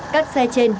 các xe trên